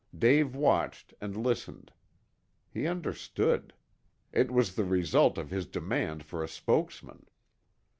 Dave watched and listened. He understood. It was the result of his demand for a spokesman.